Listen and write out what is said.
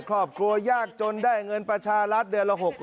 ครอบครัวยากจนได้เงินประชารัฐเดือนละ๖๐๐